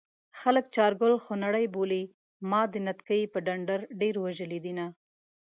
خلک چارګل خونړی بولي ما د نتکۍ په ډنډر ډېر وژلي دينه